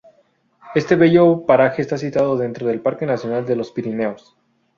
Este bello paraje está situado dentro del Parque Nacional de los Pirineos.